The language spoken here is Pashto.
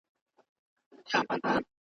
په ځنګله کي د خپل ښکار په ننداره سو .